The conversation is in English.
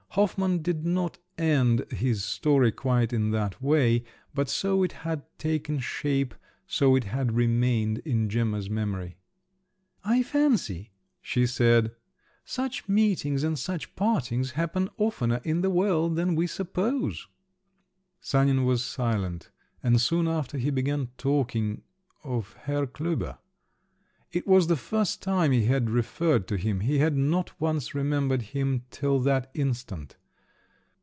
Hoffmann does not end his story quite in that way; but so it had taken shape, so it had remained, in Gemma's memory. "I fancy," she said, "such meetings and such partings happen oftener in the world than we suppose." Sanin was silent … and soon after he began talking … of Herr Klüber. It was the first time he had referred to him; he had not once remembered him till that instant.